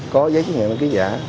có giấy chứng nghiệm ký giả